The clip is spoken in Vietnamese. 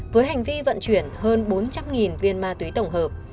với hành vi vận chuyển hơn bốn trăm linh viên ma túy tổng hợp